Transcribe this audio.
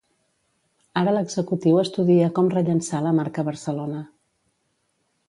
Ara l'executiu estudia com rellançar la marca Barcelona.